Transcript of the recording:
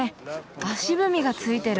足踏みがついてる。